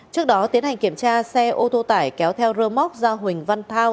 trước đó tiến hành kiểm tra xe ô tô tải kéo theo rơ móc do huỳnh văn thao